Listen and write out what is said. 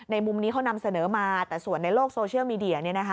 มุมนี้เขานำเสนอมาแต่ส่วนในโลกโซเชียลมีเดีย